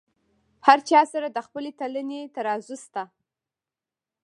هر چا سره د خپلې تلنې ترازو شته.